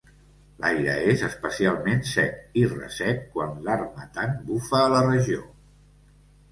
L'aire és especialment sec i ressec quan l'Harmattan bufa a la regió.